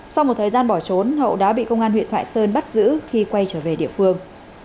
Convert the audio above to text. sau một thời gian bỏ trốn hậu đã bị công an huyện thoại sơn bắt giữ khi quay trở về địa phương